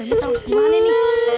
ini terus gimana ini